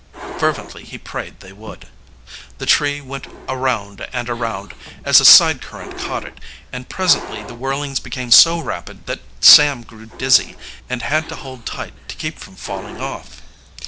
Fervently he prayed they would. The tree went around and around, as a side current caught it, and presently the whirlings became so rapid that Sam grew dizzy, and had to hold tight to keep from falling off.